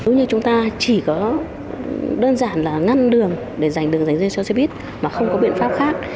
nếu như chúng ta chỉ có đơn giản là ngăn đường để giành đường dành riêng cho xe buýt mà không có biện pháp khác